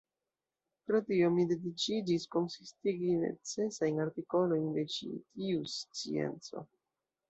Pro tio mi decidiĝis konsistigi necesajn artikolojn de ĉi tiu scienco.